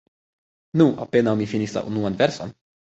Nu, apenaŭ mi finis la unuan verson.